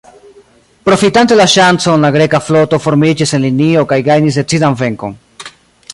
Profitante la ŝancon, la greka floto formiĝis en linio kaj gajnis decidan venkon.